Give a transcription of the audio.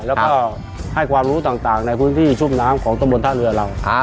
แล้วก็ให้ความรู้ต่างในพื้นที่ชุ่มน้ำของตำบลท่าเรือเรา